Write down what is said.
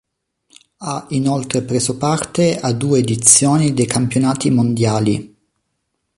Ha inoltre preso parte a due edizioni dei campionati mondiali.